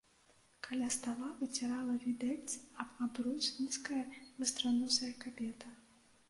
Каля стала выцірала відэльцы аб абрус нізкая вастраносая кабета.